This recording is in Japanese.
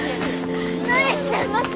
何してんのって。